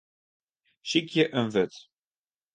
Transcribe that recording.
Sykje in wurd.